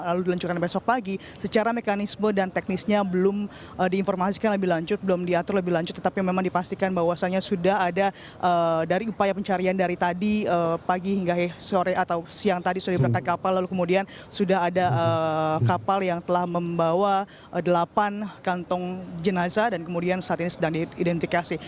lalu diluncurkan besok pagi secara mekanisme dan teknisnya belum diinformasikan lebih lanjut belum diatur lebih lanjut tetapi memang dipastikan bahwasannya sudah ada dari upaya pencarian dari tadi pagi hingga siang tadi sudah diberikan kapal lalu kemudian sudah ada kapal yang telah membawa delapan kantung jenazah dan kemudian saat ini sedang diidentifikasi